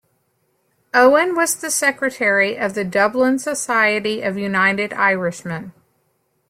Owen was the secretary of the Dublin Society of United Irishmen.